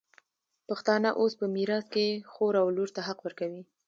پښتانه اوس په میراث کي خور او لور ته حق ورکوي.